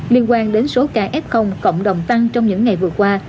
liên quan đến số ca f cộng đồng tăng trong những ngày vừa qua